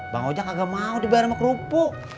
bang ojak gak mau dibayar emak kerupuk